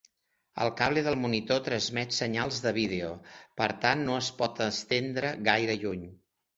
El cable del monitor transmet senyals de vídeo, per tant no es pot estendre gaire lluny.